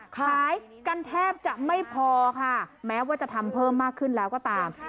ขายกันแทบจะไม่พอค่ะแม้ว่าจะทำเพิ่มมากขึ้นแล้วก็ตาม